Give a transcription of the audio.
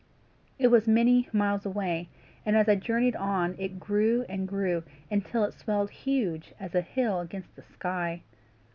It was many miles away, and as I journeyed on it grew and grew, until it swelled huge as a hill against the sky.